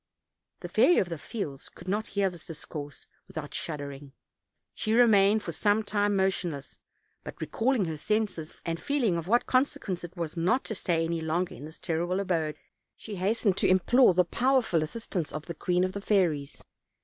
The Fairy of the Fields could not hear this discourse without shuddering; she remained for some time motionless; but recalling her senses, and feeling of what consequence it was not to stay any longer in this terrible abode, she hastened to implore the powerful as sistance of the queen of the fairies.